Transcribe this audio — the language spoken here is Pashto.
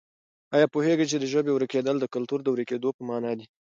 آیا پوهېږې چې د ژبې ورکېدل د کلتور د ورکېدو په مانا دي؟